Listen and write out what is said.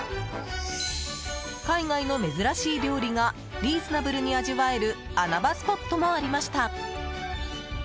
海外の珍しい料理がリーズナブルに味わえる穴場スポットもありました。